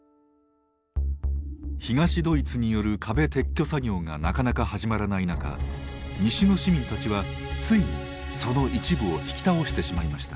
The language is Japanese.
東ドイツによる壁撤去作業がなかなか始まらない中西の市民たちはついにその一部を引き倒してしまいました。